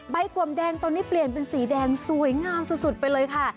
กวมแดงตอนนี้เปลี่ยนเป็นสีแดงสวยงามสุดไปเลยค่ะ